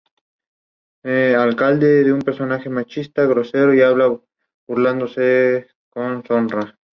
Se colocan más circuitos dentro de un "chip".Cada "chip" puede hacer diferentes tareas.